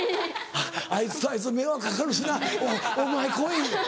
「あいつとあいつは迷惑掛かるしなお前来い」。